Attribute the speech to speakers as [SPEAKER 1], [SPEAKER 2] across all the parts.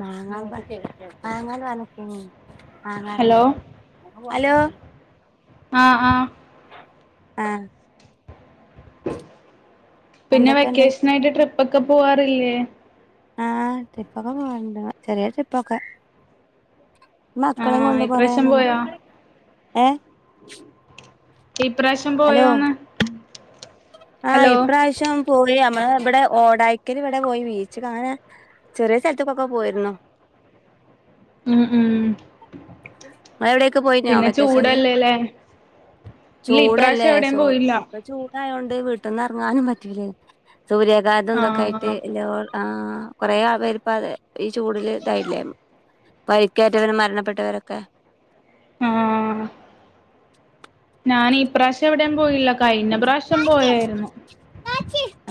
[SPEAKER 1] മാങ്ങാന്ന് പർ മാങ്ങാ ന്ന് പർഞ്ഞ് ക്കേനി
[SPEAKER 2] ഹലോ
[SPEAKER 1] മാങ്ങാർഞ്ഞാണ്ടെ അലോ
[SPEAKER 2] ആഹ് ആഹ്.
[SPEAKER 1] ആഹ്
[SPEAKER 2] പിന്നെ
[SPEAKER 1] എന്തൊക്കെയുണ്ട്
[SPEAKER 2] വെക്കേഷനായിട്ട് ട്രിപ്പൊക്കെ പോവാറില്ലേ?
[SPEAKER 1] ആഹ് ട്രിപ്പൊക്കെ പോവല്ണ്ട്. ചെറ്യേ ട്രിപ്പൊക്കെ.
[SPEAKER 2] ആ
[SPEAKER 1] മക്കളിം കൊണ്ട് കൊറേ നമുക്കും ഏഹ?
[SPEAKER 2] ഇപ്രാശ്യം
[SPEAKER 1] അലോ ആഹ്
[SPEAKER 2] ഹലോ
[SPEAKER 1] ഇപ്രാവശ്യം പോയി അമ്മളെ വടെ ഓടായിക്കല് വടെ പോയി ബീച്ച് ക്കങ്ങനെ ചെറ്യേ സ്ഥൽത്ത്ക്കൊക്കെ പോയിര്ന്നു.
[SPEAKER 2] ഉം ഉം
[SPEAKER 1] ഇങ്ങളെ വ്ടെക്കെ പോയിന്യോ
[SPEAKER 2] പിന്നെ
[SPEAKER 1] വെക്കേഷൻല്?
[SPEAKER 2] ചൂടല്ലേല്ലേ ഇല്ല
[SPEAKER 1] ചൂടല്ലേ
[SPEAKER 2] ഇപ്രാവശ്യം എവിടെയും
[SPEAKER 1] സോ
[SPEAKER 2] പോയില്ല
[SPEAKER 1] ഇപ്പൊ ചൂ ടായോണ്ട് വീട്ട് ന്നെർങ്ങാനും പറ്റൂല്ലല്ലോ സൂര്യാഘാതം
[SPEAKER 2] ആ
[SPEAKER 1] തൊക്കായിട്ട് എല്ലാ ആഹ് കൊറേ അവേര്പ്പ അഹ് ഈ ചൂടില് തായില്ലേം. പരിക്കേറ്റവരും മരണപ്പെട്ടവരൊക്കെ
[SPEAKER 2] ആഹ് ഞാനിപ്രാവശ്യം എവ്ടേം പോയില്ല കഴ്ഞ്ഞ പ്രാവശ്യം പോയേര്ന്നു.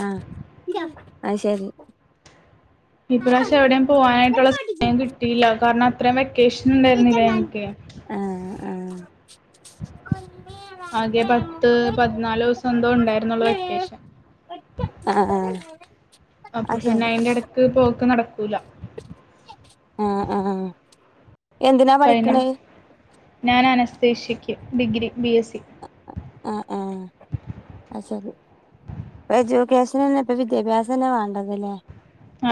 [SPEAKER 1] ആഹ് അയ് ശെരി.
[SPEAKER 2] ഈപ്രാവശ്യം എവ്ടെയും പോവാനായിട്ടുള്ള സമയം കിട്ടിയില്ല കാരണം അത്രയും വെക്കേഷനുണ്ടായിരുന്നില്ല ഇൻ ക്കെ
[SPEAKER 1] ആഹ് ആഹ്.
[SPEAKER 2] ന്തോ ഉണ്ടായിരുന്നൊള്ളു വെക്കേഷൻ.
[SPEAKER 1] ആഹ്.
[SPEAKER 2] അപ്പൊ
[SPEAKER 1] അത്
[SPEAKER 2] പിന്നെ
[SPEAKER 1] ശരി
[SPEAKER 2] അയിന്റെടക്ക് പോക്ക് നടക്കൂല.
[SPEAKER 1] ആഹ് ആഹ് എന്തിനാ പഠിക്കുന്നേ?
[SPEAKER 2] ഞാനനസ്തേഷ്യയ്ക്ക് ഡിഗ്രി ബി എസ് സി.
[SPEAKER 1] ആഹ് ആഹ് അത് സരി. എഡ്യൂക്കേഷനെന്നെ ഇപ്പൊ വിദ്യാഭ്യാസെന്നെ വേണ്ടത് ലേ.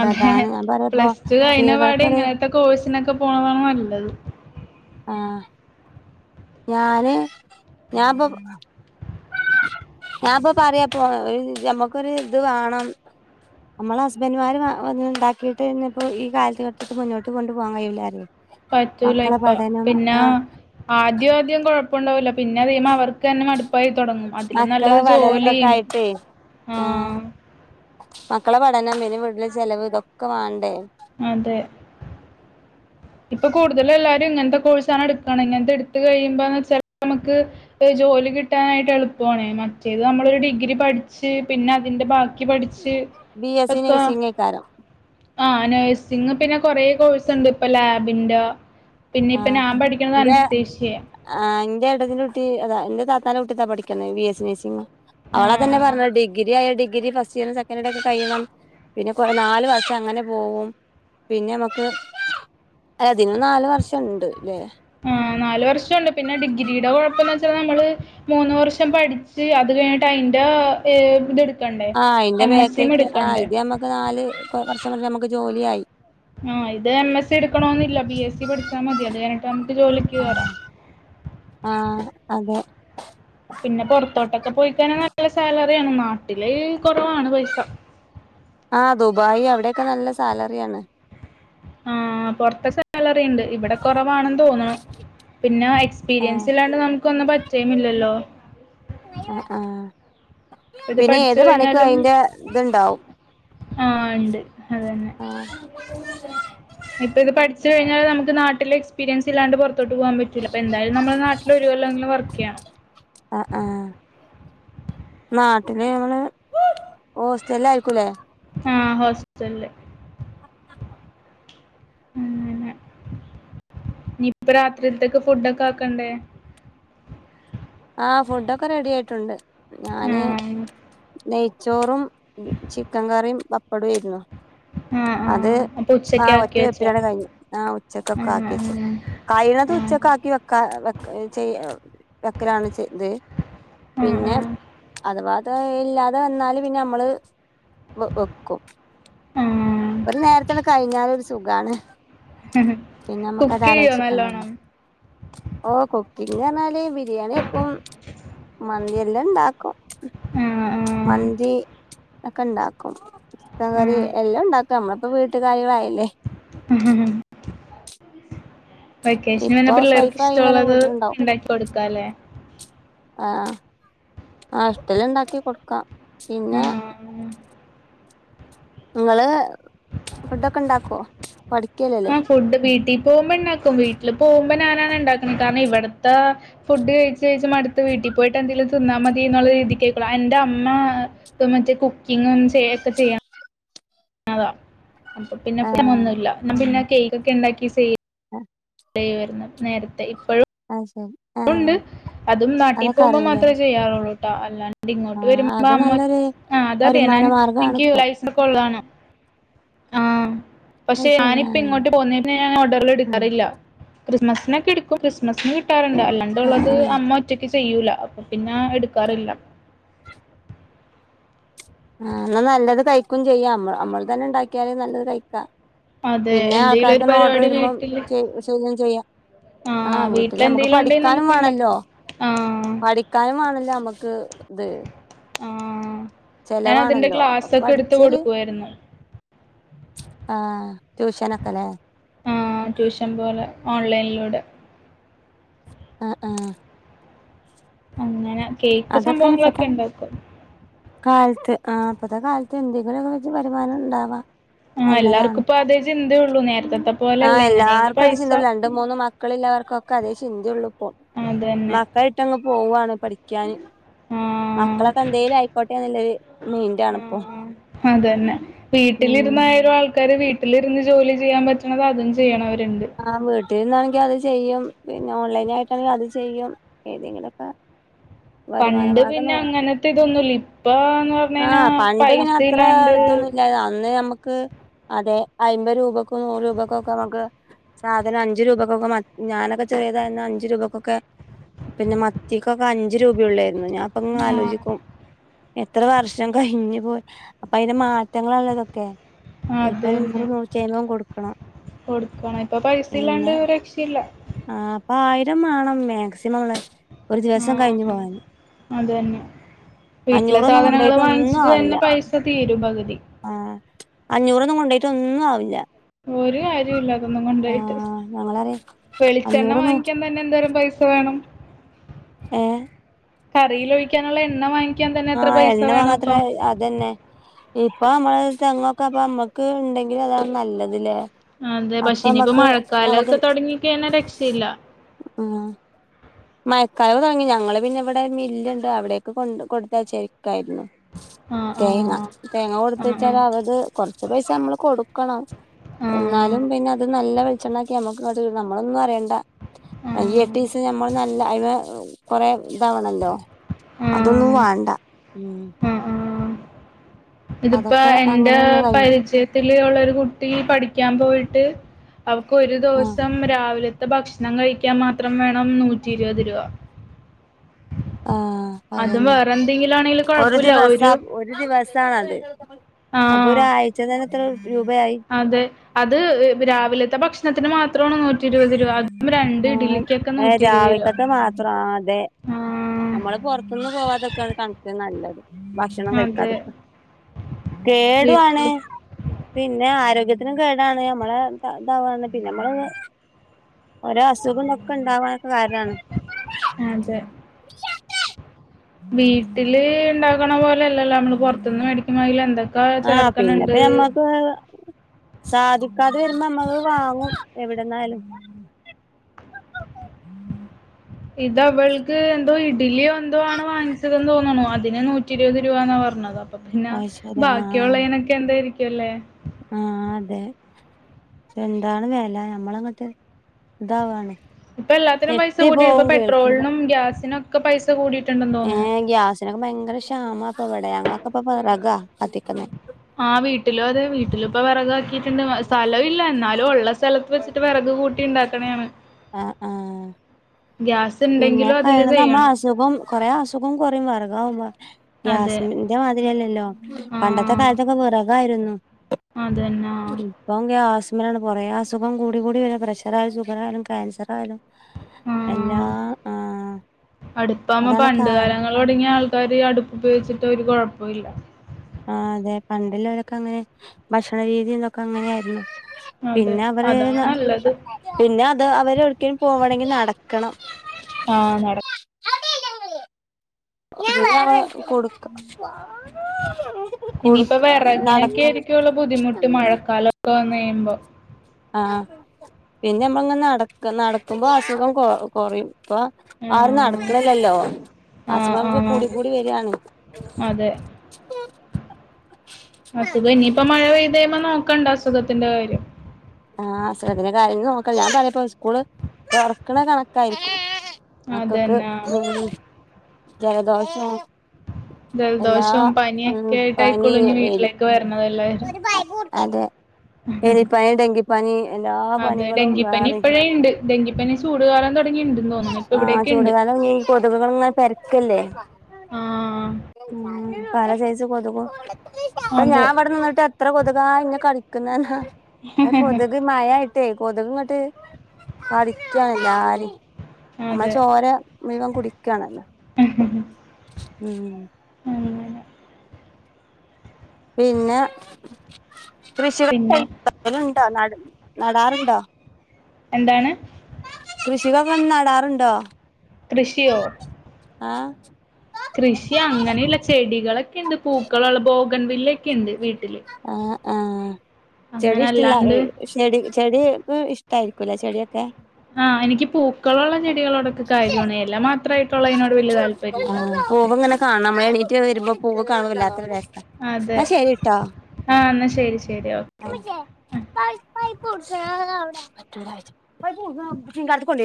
[SPEAKER 2] അതെ
[SPEAKER 1] ഞാൻ പറ്യാപ്പോ സ്ത്രീകൾക്കൊര്
[SPEAKER 2] ത്തെ കോഴ്സിനൊക്കെ പോണ താണ് നല്ലത്.
[SPEAKER 1] ആഹ് ഞാന് ഞാപ്പൊ ഞാപ്പൊ പറ്യാ പോ അത് ഞമ്മക്കൊര് ഇത് വാണം. അമ്മളെ ഹസ്ബൻഡ്മാര് മാ ഒന്ന്ണ്ടാക്കിട്ട് ഇന്ന്പ്പോ ഈ കാലത്ത്ഘട്ടത്ത് മുന്നോട്ട് കൊണ്ടു പോവാൻ കയ്യൂലാറ്യേ.
[SPEAKER 2] പറ്റൂല ഇപ്പ പിന്നാ ആദ്യാദ്യം കൊഴപ്പണ്ടാവൂല്ല പിന്നെ കയ്യുമ്മ വർക്കെന്നെ മട് പ്പായി തൊടങ്ങും അതില്
[SPEAKER 1] മക്കളെ
[SPEAKER 2] നല്ലത്
[SPEAKER 1] പഠനം ഇതൊക്കെ
[SPEAKER 2] ജോലിം
[SPEAKER 1] ആയിട്ടേ
[SPEAKER 2] ആഹ്.
[SPEAKER 1] മക്കളെ പഠനം പിന്നെ വീട്ട്ല് ചെലവ് ഇതൊക്കെ വാണ്ടേ.
[SPEAKER 2] അതെ. ഇപ്പൊ കൂടുതല് ഉള്ളവര് ഇങ്ങനത്തെ കോഴ്സാണ് എടുക്കാണ് ഇങ്ങനത്തെ എടുത്ത് കഴിയുമ്പോ എന്ന് വച്ചാൽ ചെലപ്പോ നമുക്ക്- ജോലി കിട്ടാനായിട്ട് എളുപ്പയാണെ മറ്റേത് നമ്മളൊ ഒരു ഡിഗ്രി പഠിച്ച് പിന്നെ അതിന്റെ ഭാഗ - പഠിച്ച്
[SPEAKER 1] ബി എസ് സി
[SPEAKER 2] നിക്ക
[SPEAKER 1] നഴ്സിംഗേക്കാരം
[SPEAKER 2] ആഹ് നഴ്സിങ് പിന്നെ കൊറെ കോഴ്സ് ഒണ്ട് ഇപ്പൊ ലാബിന്റെ- പിന്നെ ഇപ്പ
[SPEAKER 1] ആഹ്
[SPEAKER 2] ഞാൻ പഠിക്കണത്
[SPEAKER 1] ഇന്റെ
[SPEAKER 2] അനസ്തേഷിയെയാ
[SPEAKER 1] ആഹ് എന്റെ ഇടങ്ങല് കുട്ടി എന്റെ താത്താന്റെ കുട്ടി ഇതാ പഠിക്കുന്നെ ബി എസ്സി ഈ നഴ്സിംങ്ങ്
[SPEAKER 2] ആ
[SPEAKER 1] അവള് അത് തന്നെയാ പറഞ്ഞത് ഡിഗ്രി ആയ ഡിഗ്രി ഫസ്റ്റ് ഇയർ സെക്ക- ടൊക്കെ കഴിയണം പിന്നെ നാല് വർഷം അങ്ങനെ പോകും പിന്നെ നമക്ക്- അതിന് നാല് വർഷയിണ്ട് ഇല്ലേ
[SPEAKER 2] ആ നാല് വർഷം ഒണ്ട് പിന്നെ ഡിഗ്രിയുടെ കൊഴപ്പന്ന് വെച്ചാൽ നമ്മള്- മൂന്ന് വർഷം പഠിച്ച് അത് കഴിഞ്ഞിട്ട് അയിന്റെ ഇത് എടു -
[SPEAKER 1] ആഹ് അതിന്റെ ബേക്കയ്ക്ക് ആ ഇത് നമ്മക്ക് നാല് വർഷം കൊണ്ട് നമുക്ക് ജോലി ആയി
[SPEAKER 2] ആഹ് ഇത് എം എസ് സി എടുക്കണോന്നില്ല ബി എസ് സി പഠിച്ചാ മതി അത് കിഞ്ഞിട്ട് നമുക്ക് ജോലി-
[SPEAKER 1] ആഹ് ആഹ് അതെ
[SPEAKER 2] പിന്നെ പൊറത്തോട്ടൊക്കെ പോയിക്കഴിഞ്ഞാ നല്ല സാലറിയാണ് നാട്ടില് കൊറവാണ് പൈസ
[SPEAKER 1] ആഹ് ദുബായ് അവിടെയൊക്കെ നല്ല സാലറിയാണ്
[SPEAKER 2] ആഹ് പൊറത്തെക്കെ സാലറി ഇണ്ട് ഇവിടെ കൊറവാണെന്ന് തോന്ന്ണു പിന്നെ
[SPEAKER 1] ആഹ്
[SPEAKER 2] എക്സ്പീരിയൻസ് ഇല്ലാണ്ട് നമുക്കൊന്നും പറ്റയുമില്ലല്ലോ
[SPEAKER 1] ആഹ്
[SPEAKER 2] ഇത്
[SPEAKER 1] പിന്നെ
[SPEAKER 2] പഠിച്ചു
[SPEAKER 1] ഏത് പണിക്കും
[SPEAKER 2] കഴിഞ്ഞാലും
[SPEAKER 1] അതിൻ്റെ ഇത്ണ്ടാവും
[SPEAKER 2] ആഹ് ഇണ്ട് അത് തന്നെ
[SPEAKER 1] ആഹ്
[SPEAKER 2] ഇപ്പ ഇത് പഠിച്ച കഴിഞ്ഞാല് നമുക്ക് നാട്ടില് - എക്സ്പീരിൻസ് ഇല്ലാണ്ട് പൊറത്തോട്ട് പോകാൻ പറ്റില്ല അപ്പോ എന്താലും നമ്മള് നാട്ടിൽ ഒരു കൊല്ലമെങ്കിലും വർക്ക്‌ ചെയ്യാം
[SPEAKER 1] ആഹ് ആഹ് നാട്ടില് നമ്മള് ഹോസ്റ്റലിൽ ആയിരിക്കൂലേ
[SPEAKER 2] ആഹ് ഹോസ്റ്റലില് അങ്ങനെ ഇനി ഇപ്പ രാത്രിത്തേക്ക് ഫുഡൊക്കെ ആക്കണ്ടേ
[SPEAKER 1] ആഹാ ഫുഡൊക്കെ റെഡി ആയിട്ടുണ്ട് ഞാന്-
[SPEAKER 2] ആഹ്
[SPEAKER 1] നെയ്ച്ചോറും ചിക്കൻ കറിയും പപ്പടുംമായിരുന്നു
[SPEAKER 2] ആഹ്
[SPEAKER 1] അത്
[SPEAKER 2] ആഹ് അപ്പൊ ഉച്ചക്ക്
[SPEAKER 1] ആഹാ ഒറ്റ
[SPEAKER 2] ആക്കി വെച്ചോ?
[SPEAKER 1] വെപ്പിലാണ് കഴിയും ആ ഉച്ചക്കൊക്കെ
[SPEAKER 2] ആഹ്
[SPEAKER 1] ആക്കി
[SPEAKER 2] ആഹ്
[SPEAKER 1] വെച്ച് കഴി യണതും
[SPEAKER 2] ആഹ്
[SPEAKER 1] ഉച്ചക്ക്‌ ആക്കി വെക്ക- ചെയ്യ [unintelligible] ഒക്കാണ് ചെയതെ
[SPEAKER 2] ആഹ് ആഹ്
[SPEAKER 1] പിന്നെ അഥവാ അത് ഇല്ലാതെ വന്നാല് പിന്നെ നമ്മള്- വ് വെക്കും
[SPEAKER 2] ആഹ്
[SPEAKER 1] ഒരു നേരത്തെന്നെ കഴിഞ്ഞാല് ഒരു സുഖാണ് പിന്നെ നമ്മക്ക്‌ അത്
[SPEAKER 2] കുക്ക് ചെയ്യോ
[SPEAKER 1] ആലോചിച്ച് നിക്കണ്ടാലോ
[SPEAKER 2] നല്ലോണം
[SPEAKER 1] ഓ കുക്കിംങ്ങ് പറഞ്ഞാല് ബിരിയാണി വക്കും മന്തിയെല്ലാം ഇണ്ടാക്കും
[SPEAKER 2] ആഹ് ആഹ്
[SPEAKER 1] മന്തി ഒക്കെ ഇണ്ടാക്കും ചിക്കൻ കറി
[SPEAKER 2] ആഹ്
[SPEAKER 1] എല്ലാം ഒണ്ടാക്കും നമ്മളിപ്പോ വീട്ടുകാരിയായില്ലേ
[SPEAKER 2] ആ ഹ [unintelligible] വെക്കേഷന് വന്ന
[SPEAKER 1] ഇപ്പൊ ഹൗസ്
[SPEAKER 2] പിള്ളേർക്ക്
[SPEAKER 1] വൈഫായി ഇങ്ങനെ
[SPEAKER 2] ഇഷ്ടമുള്ളത്
[SPEAKER 1] വീട്ടിലുണ്ടാവും
[SPEAKER 2] ഇണ്ടാക്കി കൊടുക്കാം ഇല്ലേ
[SPEAKER 1] ആഹ് ആഹ് ഇഷ്ട്ടമുള്ളെ ഉണ്ടാക്കി കൊടുക്കാം പിന്നെ-
[SPEAKER 2] ആഹ്
[SPEAKER 1] നിങ്ങള് ഫുഡ് ഒക്കെ ഉണ്ടാക്കോ പഠി
[SPEAKER 2] ആഹ് ഫുഡ് വീട്ടിൽ പോകുമ്പോ ഇണ്ടാക്കും വീട്ടില് പോകുമ്പോ ഞാനാണ് ഇണ്ടാക്കുന്നത് കാരണം ഇവിടത്തെ ഫുഡ് കഴിച്ച് കഴിച്ച് മടുത്ത് വീട്ടിൽ പോയിട്ട് എന്തെങ്കിലും തിന്നാൽ മതി എന്നുള്ള രീതി [unintelligible] എന്റെ അമ്മ ഇപ്പ മറ്റേ കുക്കിംഗ്‌ [unintelligible] ചെയ്യാം അതാ അപ്പോ പിന്നെ
[SPEAKER 1] ആഹ്
[SPEAKER 2] [unintelligible] പിന്നെ കേക്ക് ഒക്കെ ഉണ്ടാക്കി [unintelligible]
[SPEAKER 1] [unintelligible]
[SPEAKER 2] [unintelligible] വരുന്നെ നേരത്തെ ഇപ്പോഴും
[SPEAKER 1] അത് ശരി
[SPEAKER 2] ഉണ്ട്
[SPEAKER 1] ആഹ്
[SPEAKER 2] അതും നാട്ടിൽ
[SPEAKER 1] അതൊക്കെ
[SPEAKER 2] പോകുമ്പോ
[SPEAKER 1] അറിയൂല്ലേ
[SPEAKER 2] മാത്രമേ ചെയ്യാറുള്ളൂട്ടാ അല്ലാ ഇങ്ങോട്ട്
[SPEAKER 1] ആഹ്
[SPEAKER 2] വരുമ്പോ
[SPEAKER 1] അത്
[SPEAKER 2] അമ്മ
[SPEAKER 1] നല്ലൊരു
[SPEAKER 2] ആഹ് അതറിയാം
[SPEAKER 1] വരുമാന
[SPEAKER 2] ഞാൻ
[SPEAKER 1] മാർഗാണ്
[SPEAKER 2] എനിക്ക്
[SPEAKER 1] ഇപ്പൊ
[SPEAKER 2] ലൈസ് [unintelligible] ആഹ്
[SPEAKER 1] അത്
[SPEAKER 2] പക്ഷെ
[SPEAKER 1] ശരി
[SPEAKER 2] ഞാനിപ്പം
[SPEAKER 1] ആഹ്
[SPEAKER 2] ഇങ്ങോട്ട് പോന്നെ പിന്നെ ഞാൻ ഓഡറുകൾ
[SPEAKER 1] ആഹ്
[SPEAKER 2] എടുക്കാറില്ല ക്രിസ്മസിനൊക്കെ എടുക്കും ക്രിസ്മസിന് കിട്ടാറുണ്ട് അല്ലാണ്ട് ഉള്ളത്
[SPEAKER 1] ആഹ്
[SPEAKER 2] അമ്മ ഒറ്റക്ക് ചെയ്യൂല അപ്പൊ പിന്നെ എടുക്കാറില്ല
[SPEAKER 1] ആഹ് എന്നാൽ നല്ലത് കഴിക്കയും ചെയ്യാം നമ്മള് നമ്മള് തന്നെ ഉണ്ടാക്കിയാലെ നല്ലത് കഴി [unintelligible]
[SPEAKER 2] അതെ.
[SPEAKER 1] പിന്നെ
[SPEAKER 2] എന്തെങ്കിലും ഒരു
[SPEAKER 1] ആൾക്കാർക്കെ ഓർഡർ
[SPEAKER 2] പരിപാടി
[SPEAKER 1] വരുമ്പം
[SPEAKER 2] വീട്ടില്
[SPEAKER 1] [unintelligible] ഇങ്ങനെ ചെയ്യാം
[SPEAKER 2] ആ
[SPEAKER 1] ആഹ് വീട്ടില് നമ്മുക്ക്
[SPEAKER 2] വീട്ടിലെന്തെങ്കിലും ഉണ്ടെങ്കി
[SPEAKER 1] പഠിക്കാനും
[SPEAKER 2] നമുക്ക്
[SPEAKER 1] വേണല്ലോ
[SPEAKER 2] ഉണ്ടാക്കാം. ആ
[SPEAKER 1] പഠി [unintelligible] നമ്മുക്ക് ഇത്
[SPEAKER 2] ആഹ് ഞാൻ അതിന്റെ
[SPEAKER 1] ചെലവാണല്ലോ അപ്പൊ
[SPEAKER 2] ക്ലാസ് ഒക്കെ എടുത്ത്
[SPEAKER 1] പഠിച്ചൊരു
[SPEAKER 2] കൊടുക്കുവായിരുന്നു
[SPEAKER 1] ആഹ് ട്യൂഷനാക്കല്ലേ
[SPEAKER 2] ആഹ് ട്യൂഷൻ പോലെ ഓൺലൈനിലൂടെ
[SPEAKER 1] ആഹ് ആഹ്
[SPEAKER 2] അങ്ങനെ കേക്ക്
[SPEAKER 1] അതൊക്കനെ
[SPEAKER 2] സംഭവങ്ങളൊക്കെ
[SPEAKER 1] [unintelligible]
[SPEAKER 2] ഇണ്ടാക്കും
[SPEAKER 1] കാലത്ത് ആഹ് ഇപ്പഴത്തെ കാലത്ത് എന്തെങ്കിലുമൊക്കെ വ വരുമാനം ഉണ്ടാവാം
[SPEAKER 2] ആഹ് എല്ലാർക്കും ഇപ്പോ അതേ ചിന്തയുള്ളൂ നേരത്തത്തെ പോലെയല്ല
[SPEAKER 1] ആഹ്
[SPEAKER 2] എങ്ങനെലും
[SPEAKER 1] എല്ലാർക്കും അതേ
[SPEAKER 2] പൈസ
[SPEAKER 1] ചിന്തയുള്ളൂ. രണ്ട് മൂന്ന് മക്കളില്ലാവർക്കുക്കെ അതേ ചിന്തയുള്ളൂ ഇപ്പോ.
[SPEAKER 2] അതന്നെ
[SPEAKER 1] മക്കളായിട്ട് അങ്ങ് പോവാണ് പഠിക്കാന്.
[SPEAKER 2] ആ
[SPEAKER 1] മക്കളൊക്കെ എന്തേലും ആയിക്കോട്ടെന്നുള്ളൊരു
[SPEAKER 2] ആ
[SPEAKER 1] മൈന്റാണിപ്പൊ.
[SPEAKER 2] അതന്നെ വീട്ടിലിരുന്നായാലും ആൾക്കാര് വീ വീട്ടിലിരുന്ന് ജോലി ചെയ്യാൻ പറ്റണത് അതും ചെയ്യണവരുണ്ട്.
[SPEAKER 1] ആഹ് വീട്ടിൽ നിന്നാണെങ്കിൽ അത് ചെയ്യും പിന്നെ ഓൺലൈൻ ആയിട്ടാണെങ്കിൽ അത് ചെയ്യും. ഏതെങ്കിലൊക്കെ.
[SPEAKER 2] പണ്ട് പിന്നെ അങ്ങനത്തെ ഇതൊന്നുല്ല ഇപ്പൊന്ന്
[SPEAKER 1] ആഹ് പണ്ട് പിന്നെ അത്ര ഇതൊന്നുല്ല അന്ന് നമ്മക്ക്. ക്ക് അതെ അമ്പത് രൂപക്കും നൂറ് രൂപക്കും ഒക്കെ നമ്മുക്ക് സാധനം അഞ്ച് രൂപക്കൊക്കെ ഞാനൊക്കെ ചെറിയതായിരുന്ന അഞ്ച് രൂപയ്ക്കൊക്കെ. പിന്നെ മത്തിക്കൊക്കെ അഞ്ച് രൂപയേ ഉള്ളായിരുന്നു ഞാൻ അപ്പ അങ്ങ്
[SPEAKER 2] ആ
[SPEAKER 1] ആലോചിക്കും. എത്ര വർഷം കഴിഞ്ഞു പോയി അപ്പൊ അതിന്റെ മാറ്റങ്ങളല്ലെ ഇതൊക്കെ. ഇപ്പൊ നൂറ്
[SPEAKER 2] അതന്നെ
[SPEAKER 1] നൂറ്റിയമ്പതും കൊടുക്കണം.
[SPEAKER 2] കൊടുക്കണം ഇപ്പൊ പൈസ ഇല്ലാണ്ട്
[SPEAKER 1] പിന്നെ
[SPEAKER 2] ഒരു രക്ഷയില്ല.
[SPEAKER 1] ആഹ് ഇപ്പ ആയിരം വേണം മാക്സിമം ഒരു ദിവസം
[SPEAKER 2] ആ
[SPEAKER 1] കഴിഞ്ഞു പോവാന്.
[SPEAKER 2] അതന്നെ വീട്ടിലെ
[SPEAKER 1] അഞ്ഞൂറൊന്നും
[SPEAKER 2] സാധനങ്ങൾ
[SPEAKER 1] കൊണ്ടോയിട്ട്
[SPEAKER 2] വാങ്ങിച്ചിട്ട് തന്നെ പൈസ തീരും പകുതി.
[SPEAKER 1] ആഹ് അഞ്ഞൂറൊന്നും കൊണ്ട് പോയിട്ട് ഒന്നും ആവില്ല.
[SPEAKER 2] ഒരു കാര്യം ഇല്ല അതൊന്നും കൊണ്ട്
[SPEAKER 1] ആ
[SPEAKER 2] പോയിട്ട്
[SPEAKER 1] ഞങ്ങളറിം
[SPEAKER 2] വെളിച്ചെണ്ണ
[SPEAKER 1] അഞ്ഞൂറൊന്നും
[SPEAKER 2] വാങ്ങിക്കാൻ തന്നെ. നി എന്തായാലും പൈസ വേണം.
[SPEAKER 1] ഏഹ്
[SPEAKER 2] കറിയിൽ ഒഴിക്കാനുള്ള എണ്ണ വാങ്ങി
[SPEAKER 1] ആഹ് എണ്ണ വാങ്ങാത്ര അതെന്നെ. ഇപ്പൊ നമ്മള് തെങ്ങൊക്കെ അപ്പ അമ്മക്ക് ഉണ്ടെങ്കിൽ അതാണ് നല്ലത് ല്ലേ.
[SPEAKER 2] അതെ പക്ഷെ
[SPEAKER 1] അപ്പൊ
[SPEAKER 2] ഇനിയിപ്പോ
[SPEAKER 1] നമ്മക്ക് നമുക്ക്
[SPEAKER 2] മഴക്കാലക്കെ തൊടങ്ങിക്കയ്ഞ്ഞ രക്ഷയില്ല.
[SPEAKER 1] ഉം മയക്കാലൊക്കെ തൊട്ങ്ങി ഞങ്ങള് പിന്നെ ഇവടെ മില്ല്ണ്ട് അവിടെക്കെ കൊണ്ടു കൊടുത്താൽ ശരിക്കായിരുന്നു.
[SPEAKER 2] ആ ആ
[SPEAKER 1] തേങ്ങ തേങ്ങ
[SPEAKER 2] ആ
[SPEAKER 1] കൊടുത്ത് വെച്ചാ
[SPEAKER 2] ആ
[SPEAKER 1] അവര് കൊർച്ച് പൈസ നമ്മൾ കൊടുക്കണം.
[SPEAKER 2] ആ
[SPEAKER 1] എന്നാലും പിന്നെ അത് നല്ല വെളി ച്ചെണ്ണാക്കി നമുക്ക് [unintelligible] നമ്മൾ ഒന്നും അറിയണ്ട
[SPEAKER 2] ആ
[SPEAKER 1] ഈ എട്ടീസം നമ്മള് നൻ അല്ല അയ്ന് കൊറേ ഇതാവണല്ലോ.
[SPEAKER 2] ഉം
[SPEAKER 1] ഇതൊന്നും വാണ്ട
[SPEAKER 2] ഉം ഉം ഇതിപ്പോ
[SPEAKER 1] അതൊക്കെ
[SPEAKER 2] എന്റെ
[SPEAKER 1] അങ്ങനെ ഒന്ന് കഴിഞ്ഞു
[SPEAKER 2] പരിചയ ത്തില് ഉള്ള ഒരു കുട്ടി പഠിക്കാൻ പോയിട്ട് അവക്ക് ഒരു
[SPEAKER 1] ആ
[SPEAKER 2] ദിവസം രാവിലത്തെ ഭക്ഷണം കഴിക്കാൻ മാത്രം വേണം നൂറ്റി ഇരുപത് രുവ.
[SPEAKER 1] ആഹ്
[SPEAKER 2] അതും
[SPEAKER 1] അതന്നെ
[SPEAKER 2] വേറെ എന്തെങ്കിലും ആണെങ്കിലും
[SPEAKER 1] ഒരു
[SPEAKER 2] കുഴപ്പമില്ല
[SPEAKER 1] ദിവസ ഒരു ദിവസാണത്.
[SPEAKER 2] ആ
[SPEAKER 1] അപ്പൊ ഒരാഴ്ച തന്നെ എത്ര രൂപയായി.
[SPEAKER 2] അതെ അത് രാവിലത്തെ ഭക്ഷണം. പ്രശ്ണത്തിന് മാത്രമാണ് നൂറ്റി ഇരുപത് രൂപ. അതും രണ്ട് ഇഡലിക്കൊക്കെ നൂറ്റി ഇരുപത് രൂവ.
[SPEAKER 1] പ്രാതെ നമ്മള് പൊർത്ത്ന്ന് പോവാതൊക്കാണ് കൺക്കിന് നല്ലത്. ഭക്ഷണം
[SPEAKER 2] അതെ
[SPEAKER 1] കഴിക്കാതെ കേടുവാണ്.
[SPEAKER 2] വീട്ടില്
[SPEAKER 1] പിന്നെ ആരോഗ്യത്തിനും കേടാണ്. മ്മളെ ഇതാവാന്ന പിന്നെ നമ്മള് ഒരോ അസുഖംന്നൊക്കെ ഇണ്ടവാനൊക്കെ കാരണാണ്.
[SPEAKER 2] അതെ വീട്ടില് ഇണ്ടാ ക്ക്ണ പോലെല്ലല്ലോ നമ്മള് പൊർത്ത്ന്ന് മേടിക്കുമോ അയ്ൽ എന്തൊക്കാ
[SPEAKER 1] ആ
[SPEAKER 2] ചേർക്കണ് ണ്ട്.
[SPEAKER 1] പിന്നെപ്പ ഞമ്മക്ക് സാധിക്കാതെ വരുമ്പോ നമ്മള് വാങ്ങും എവിടന്നായാലും.
[SPEAKER 2] ഇത് അവൾക്ക് എന്തോ ഇഡലി എന്തോ ആണ് വാങ്ങിച്ചതന്ന് തോന്നുണു അതിന് നൂറ്റി ഇരുപത് രൂപാന്നാ പർഞ്ഞതാ പിന്നെ
[SPEAKER 1] അത് ശരി ആഹ്
[SPEAKER 2] ബാക്കിയുള്ളേനൊക്കെ എന്തായിരിക്കുംല്ലേ
[SPEAKER 1] ആഹ് അതെ എന്താണ് വെല നമ്മളങ്ങട്ട് ഇതാവാണ്
[SPEAKER 2] ഇപ്പൊ എല്ലാത്തിനും പൈസ
[SPEAKER 1] ഞെട്ടി
[SPEAKER 2] കൂടിയിട്ട്
[SPEAKER 1] പോവും
[SPEAKER 2] ഇപ്പൊ
[SPEAKER 1] കേൾക്കുമ്പോ
[SPEAKER 2] പെട്രോളിനും ഗ്യാസിനും ഒക്കെ പൈസ കൂടിയിട്ടുണ്ടെന്ന് തോന്നുണു.
[SPEAKER 1] ഇതിനൊക്കെ ഭയങ്കര ക്ഷാമ ഇപ്പ ഇവടെ ഞങ്ങളൊക്കെ ഇപ്പൊ വെറകാ കത്തിക്കുന്ന
[SPEAKER 2] ആഹ് വീട്ടിലും അതെ വീട്ടില് പ്പൊ വെറകാക്കിയിട്ടുണ്ട് മസാല ഇല്ല എന്നാലും ഉള്ള സ്ഥലത്ത് വെച്ചിട്ട് വിറക് കൂട്ടി ഉണ്ടാക്കണാണ്
[SPEAKER 1] അഹ് ആഹ്
[SPEAKER 2] ഗ്യാസ്
[SPEAKER 1] പിന്നെ
[SPEAKER 2] ഉണ്ടെങ്കിലും അതില്
[SPEAKER 1] കഴിത് നമ്മ
[SPEAKER 2] ചെയ്യണം
[SPEAKER 1] അസുഖം കൊറേ അസുഖം കൊറിം വറകാവുമ്പ
[SPEAKER 2] അതെ
[SPEAKER 1] ഗ്യാസ് ൻ്റെ മാതിരിയല്ലല്ലോ
[SPEAKER 2] ആ
[SPEAKER 1] പണ്ടത്തെ കാലത്തൊക്കെ വറകായിരുന്നു
[SPEAKER 2] അത് തന്നാ
[SPEAKER 1] ഇപ്പം ഗ്യാസുമലാണ് കൊറേ അസുഖം കൂടി കൂടി വര പ്രഷറായാലും ഷുഗറായാലും ക്യാൻസറായാലും എല്ലാ ആഹ്
[SPEAKER 2] അടുപ്പാവ്മ്മ
[SPEAKER 1] അതാണ്
[SPEAKER 2] പണ്ട്
[SPEAKER 1] കാലം
[SPEAKER 2] കാലങ്ങൾ തൊടങ്ങിയ ആൾക്കാര് അടുപ്പ് ഉപയോഗിച്ചിട്ട് ഒര് കൊഴപ്പൊല്ലാ
[SPEAKER 1] ആഹ് അതെ പണ്ട്ള്ളോരക്ക അങ്ങനെ ഭക്ഷണരീതി എന്നൊക്കെ അങ്ങനെയായിരുന്നു
[SPEAKER 2] അതെ
[SPEAKER 1] പിന്നെ അവര്
[SPEAKER 2] അതാണ്
[SPEAKER 1] ന്ന
[SPEAKER 2] നല്ലത്
[SPEAKER 1] പിന്നെ അത് അവര് എവ്ട്ക്കേലും പോവണങ്കിൽ നടക്കണം
[SPEAKER 2] ആഹ് നട
[SPEAKER 1] [unintelligible] കൊട്ക്ക
[SPEAKER 2] ഇനിയിപ്പോ വിറകിനൊക്കെ ആയിരിക്കൊല്ലോ ബുദ്ധിമുട്ട് മഴക്കാലൊക്ക വന്ന് കഴിയുമ്പോ
[SPEAKER 1] ആഹ് പിന്നെ നമ്മള് ഇങ്ങനെ നടക്ക നടക്കുമ്പോ അസുഖം കൊ കൊറയും ഇപ
[SPEAKER 2] ആ
[SPEAKER 1] ആരും നടക്ക്ണില്ലല്ലോ
[SPEAKER 2] ആ
[SPEAKER 1] അസുഖങ്ങളക്കെ
[SPEAKER 2] ആ
[SPEAKER 1] കൂടി കൂടി വര്യാണ്
[SPEAKER 2] അതെ അസുഖം ഇനിയിപ്പ മഴ പെയ്തെ പ നോക്കണ്ട അസുഖത്തിന്റെ കാര്യം
[SPEAKER 1] ആഹ് അസുഖത്തിന്റെ കാര്യം നോക്കണ്ട ഞാൻ പറയപ്പോ സ്കൂള് തൊറക്കണ കണക്കാ മക്കൾക്ക്
[SPEAKER 2] അതന്നെ ആ.
[SPEAKER 1] ഉം ജലദോഷം എല്ലാ
[SPEAKER 2] ജലദോഷും
[SPEAKER 1] ഉം
[SPEAKER 2] പനിയൊക്കെ ആയിട്ടാരിക്കൊള്ളു ഇഞ് വീട്ടിലേക്ക് വര്ണത് എല്ലാരും
[SPEAKER 1] അതെ എലിപ്പനി ഡങ്കിപ്പനി എല്ലാ
[SPEAKER 2] അതെ
[SPEAKER 1] പനികളും
[SPEAKER 2] ഡെങ്കിപ്പനി
[SPEAKER 1] വേറിം
[SPEAKER 2] ഇപ്പോഴേ ഉണ്ട് ഡെങ്കിപ്പനി ചൂടുകാലം തുടങ്ങിയിണ്ട്
[SPEAKER 1] ആഹ് ചൂട് കാലം തൊട്ങ്ങി കൊതുക് കള്ങ്ങനെ പെര്ഗല്ലേ
[SPEAKER 2] ആ
[SPEAKER 1] പല സൈസ് കൊതുകും പ്പ ഞാൻ
[SPEAKER 2] അതെ
[SPEAKER 1] ഇവടെ നിന്നിട്ട് എത്ര കൊതുകാ ഇന്നെ കടിക്ക്ന്നേന്നാ എഹ് കൊതുക് മഴായിട്ടേ കൊത്ക് ഇങ്ങട്ട് കഠിക്ക്യാണ് എല്ലാരിം നമ്മളെ
[SPEAKER 2] അതെ
[SPEAKER 1] ചോര മുയിവം കുടിക്കാണല്ലോ ഉം
[SPEAKER 2] അങ്ങനെ
[SPEAKER 1] പിന്നെ കൃഷികൾ
[SPEAKER 2] പിന്നെ
[SPEAKER 1] ചെയ്യലുണ്ടോ നടൽ നടാറുണ്ടോ
[SPEAKER 2] എന്താണ്
[SPEAKER 1] കൃഷികളൊക്കെൻ നടാറ്ണ്ടോ
[SPEAKER 2] കൃഷ്യോ
[SPEAKER 1] ആഹ്
[SPEAKER 2] കൃഷി അങ്ങനെയില്ല ചെടികളെക്കെണ്ട് പൂക്കളുള്ള ബോഗൻ വില്ല ഒക്കെ ഇണ്ട് വീട്ടില്
[SPEAKER 1] ആഹ് ആഹ്
[SPEAKER 2] അങ്ങനെ
[SPEAKER 1] ചെടി ഇഷ്ടില്ല
[SPEAKER 2] അല്ലാണ്ട്
[SPEAKER 1] ചെടി ചെടിയെക്കെ ഇഷ്ടായിരിക്കുല്ലേ ചെടിയൊക്കെ
[SPEAKER 2] ആഹ് എനിക്ക് പൂക്കളുള്ള ചെടികളോടൊക്കെ കാര്യാണ് ഇല മാത്രയിട്ടുള്ള അതിനോട് വല്യയ താല്പര്യല്ല
[SPEAKER 1] ആഹ് പൂവ് ഇങ്ങനെ കാണണം നമ്മൾ എണീറ്റ് വരുമ്പോ പൂവ് കാണുമ്പോ വല്ലാത്തൊരു വേ
[SPEAKER 2] അതെ ആഹ് ഇന്നാ ശരി ശരി ഓ
[SPEAKER 1] [inaudible]